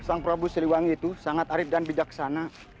sang prabu siliwangi itu sangat arif dan bijaksana